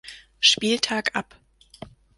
Spieltag ab.